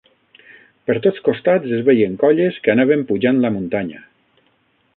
Per tots costats es veien colles que anaven pujant la muntanya